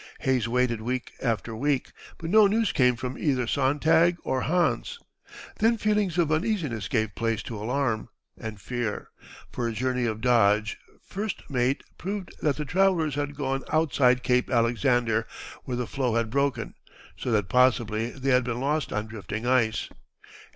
Hayes waited week after week, but no news came from either Sontag or Hans. Then feelings of uneasiness gave place to alarm and fear; for a journey of Dodge, first mate, proved that the travellers had gone outside Cape Alexander, where the floe had broken, so that possibly they had been lost on drifting ice.